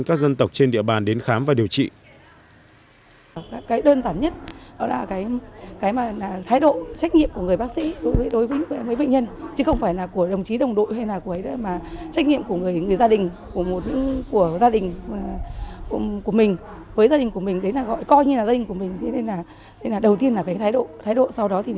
các dân tộc trên địa bàn đến khám và điều trị